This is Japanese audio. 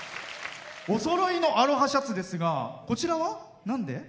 おそろいのアロハシャツですがこちらは、なんで？